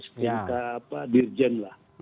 sejenis dirjen lah